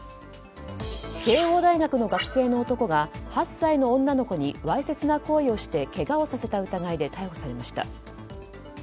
慶應大学の学生の男が８歳の女の子にわいせつな行為をしてけがをさせた疑いで逮捕されました。